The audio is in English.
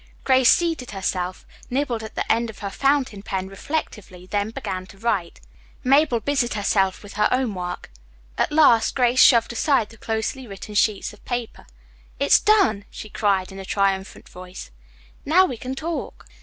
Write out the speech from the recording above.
Grace seated herself, nibbled at the end of her fountain pen reflectively, then began to write. Mabel busied herself with her own work. At last Grace shoved aside the closely written sheets of paper. "It's done," she cried, in a triumphant voice. "Now we can talk."